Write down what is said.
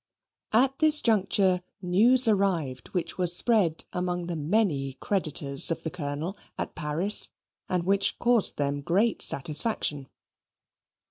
At this juncture news arrived which was spread among the many creditors of the Colonel at Paris, and which caused them great satisfaction.